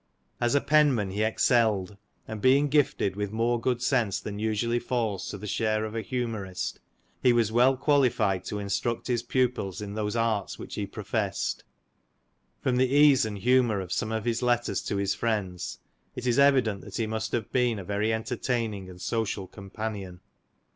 As a penman he excelled, and being gifted with more good sense than usually falls to the share of an humourist, he was well qualified to instruct his pupils in those arts which he professed. From the ease and humour of some of his letters to his friends, it is evident that he must have been a very entertaining and social companion.